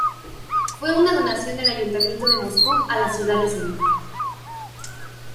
Fue una donación del Ayuntamiento de Moscú a la ciudad de Sevilla.